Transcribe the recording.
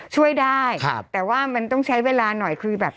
ช่วยได้แต่ว่ามันต้องใช้เวลาหน่อยคือแบบ